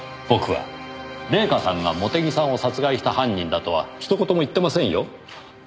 僕は礼夏さんが茂手木さんを殺害した犯人だとはひと言も言ってませんよ。